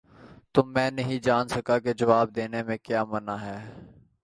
تو میں نہیں جان سکا کہ جواب دینے میں کیا مانع ہے؟